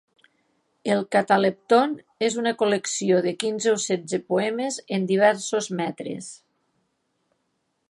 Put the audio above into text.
El "Catalepton" és una col·lecció de quinze o setze poemes en diversos metres.